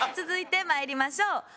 続いてまいりましょう。